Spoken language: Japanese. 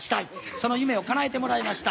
その夢をかなえてもらいました。